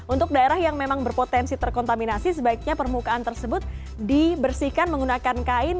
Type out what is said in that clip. untuk daerah yang memang berpotensi terkontaminasi sebaiknya permukaan tersebut dibersihkan menggunakan kain